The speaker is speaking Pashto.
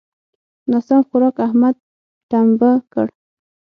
ناسم خوارک؛ احمد ټمبه کړ.